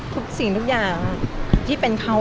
ทุกสิ่งทุกอย่างที่เป็นเขา